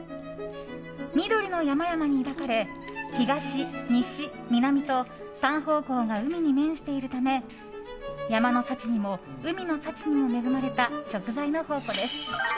緑の山々に抱かれ東、西、南と３方向が海に面しているため山の幸にも海の幸にも恵まれた食材の宝庫です。